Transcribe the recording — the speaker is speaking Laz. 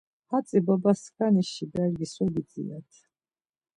Hatzi baba skani şi bergi so gidzirat?